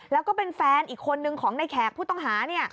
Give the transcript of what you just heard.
แล้วก็เป็นแฟนอีกคนนึงของในแขกผู้ต้องหา